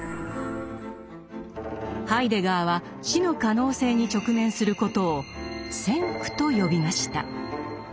ハイデガーは死の可能性に直面することを「先駆」と呼びました。